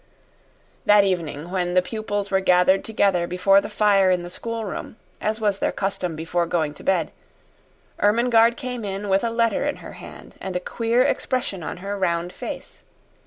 That evening, when the pupils were gathered together before the fire in the schoolroom, as was their custom before going to bed, Ermengarde came in with a letter in her hand and a queer expression on her round face.